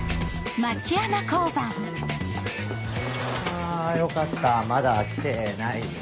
あよかったまだ来てないね。